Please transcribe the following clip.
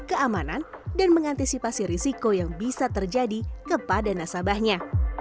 keamanan dan mengantisipasi risiko yang bisa terjadi kepada nasabahnya